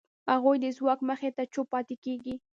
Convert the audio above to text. هغوی د ځواک مخې ته چوپ پاتې کېږي.